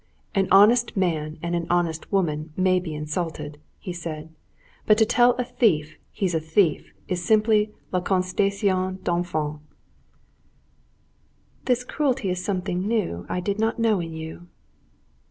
"An honest man and an honest woman may be insulted, but to tell a thief he's a thief is simply la constatation d'un fait." "This cruelty is something new I did not know in you."